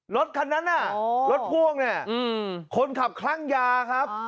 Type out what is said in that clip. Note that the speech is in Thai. รถคันนั้นรถพ่วงคนขับคลั่งยาครับ